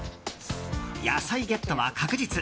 野菜ゲットは確実。